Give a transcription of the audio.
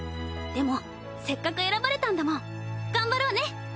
でもせっかく選ばれたんだもん頑張ろうね。